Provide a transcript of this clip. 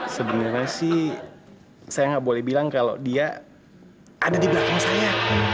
sebenarnya sih saya nggak boleh bilang kalau dia ada di belakang saya